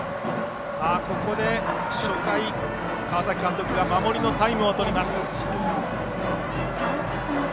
ここで川崎監督が守りのタイムをとります。